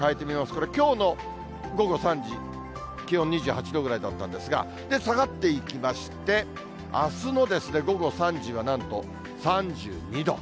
これ、きょうの午後３時、気温２８度ぐらいだったんですが、下がっていきまして、あすのですね、午後３時はなんと３２度。